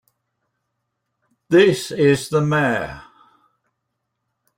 This is the Mayor.